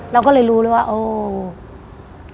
เราก็เลยรู้เลยว่าโอ้